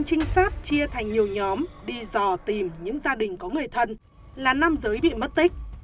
trinh sát chia thành nhiều nhóm đi dò tìm những gia đình có người thân là nam giới bị mất tích